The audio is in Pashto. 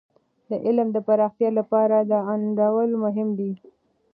د علم د پراختیا لپاره د انډول مهم دی.